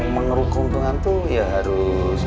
mengerukung tuhan tuh ya harus